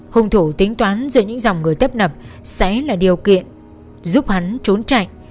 hùng thủ tính toán giữa những dòng người tấp nập sẽ là điều kiện giúp hắn trốn chạy